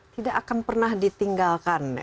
tidak akan pernah ditinggalkan